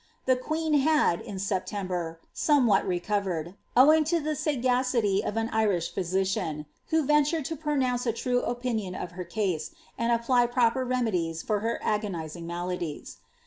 The queen had, in September, somewhat recovered, owing; to the sagacity of an Irish physician, who ventured to pronounce a true opinion of i^er case, and apply proper remedies for her agonising maladies.